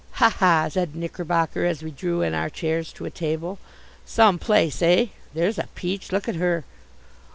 "Ha ha!" said Knickerbocker, as we drew in our chairs to a table. "Some place, eh? There's a peach! Look at her!